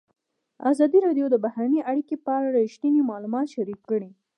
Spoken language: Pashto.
ازادي راډیو د بهرنۍ اړیکې په اړه رښتیني معلومات شریک کړي.